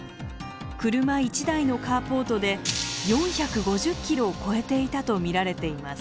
車１台のカーポートで４５０ｋｇを超えていたと見られています。